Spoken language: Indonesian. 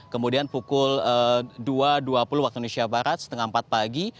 kemudian pukul dua dua puluh waktu indonesia barat setengah empat pagi